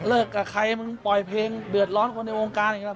เลิกกับใครมึงปล่อยเพลงเดือดร้อนคนในองค์การอย่างเงี้ย